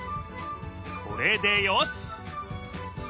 これでよしっ！